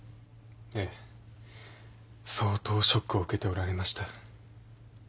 ええ相当ショックを受けておられました。